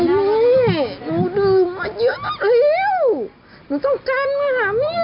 กินเติม